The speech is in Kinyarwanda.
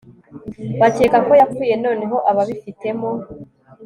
bakeka ko yapfuye noneho ababifitemo